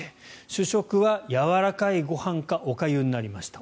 主食はやわらかいご飯かおかゆになりました。